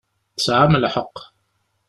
Tesɛam lḥeqq.